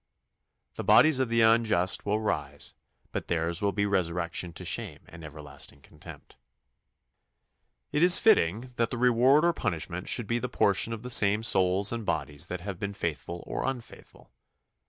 The bodies of the unjust will rise; but theirs will be resurrection to shame and everlasting contempt. It is fitting that reward or punishment should be the portion of the same souls and bodies that have been faithful or unfaithful.